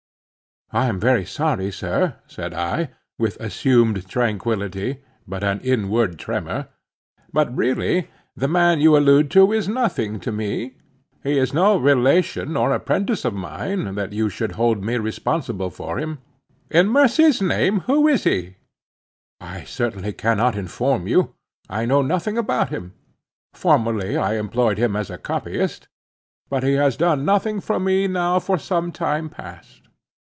"I am very sorry, sir," said I, with assumed tranquility, but an inward tremor, "but, really, the man you allude to is nothing to me—he is no relation or apprentice of mine, that you should hold me responsible for him." "In mercy's name, who is he?" "I certainly cannot inform you. I know nothing about him. Formerly I employed him as a copyist; but he has done nothing for me now for some time past."